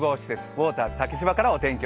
ウォーターズ竹芝からお天気